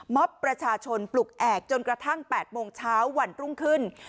ประชาชนปลุกแอกจนกระทั่ง๘โมงเช้าวันรุ่งขึ้น